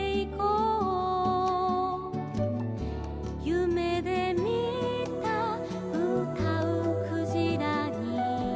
「ゆめでみたうたうクジラに」